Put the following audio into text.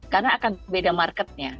karena akan beda marketnya